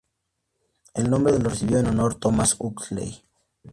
El nombre lo recibió en honor Thomas Huxley.